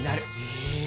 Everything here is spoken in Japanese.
へえ。